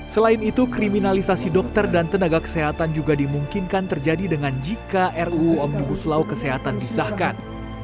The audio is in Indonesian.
selain itu kriminalisasi dokter dan tenaga kesehatan juga dimungkinkan terjadi dengan jika ruu omnibus law kesehatan disahkan